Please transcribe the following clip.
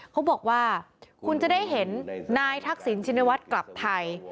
เขาบอกว่าคุณจะได้เห็นนายทักษิณชินวัฒน์กลับไทย